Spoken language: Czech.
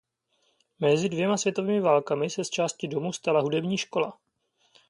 Mezi dvěma světovými válkami se z části domu stala hudební škola.